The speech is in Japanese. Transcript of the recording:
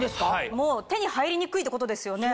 もう手に入りにくいってことですよね？